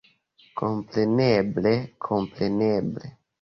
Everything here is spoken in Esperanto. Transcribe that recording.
Kompreneble, kompreneble!